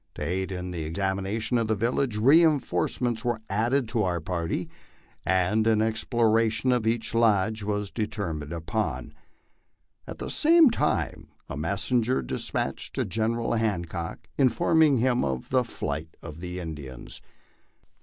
To aid in the examination of the village, reinforcements were added to our party, and an exploration of each lodge was determined upon. At the enme time a messenger was despatched to General Hancock, informing him of the flight of the Indians.